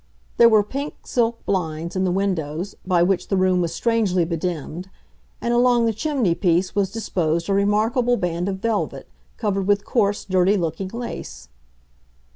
There were pink silk blinds in the windows, by which the room was strangely bedimmed; and along the chimney piece was disposed a remarkable band of velvet, covered with coarse, dirty looking lace.